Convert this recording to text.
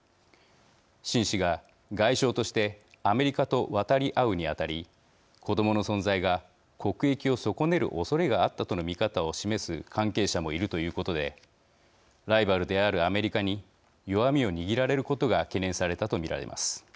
秦氏が外相としてアメリカと渡り合うにあたり子どもの存在が国益を損ねるおそれがあったとの見方を示す関係者もいるということでライバルであるアメリカに弱みを握られることが懸念されたと見られます。